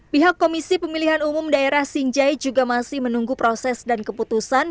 pihak komisi pemilihan umum daerah sinjai juga masih menunggu proses dan keputusan